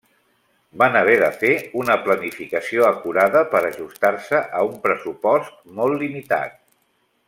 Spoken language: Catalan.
Van haver de fer una planificació acurada per ajustar-se a un pressupost molt limitat.